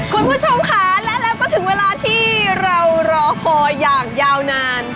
คุณผู้ชมค่ะและเราก็ถึงเวลาที่เรารอคอยอย่างยาวนาน